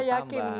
saya gak yakin